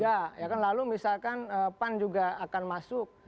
tiga lalu misalkan pan juga akan masuk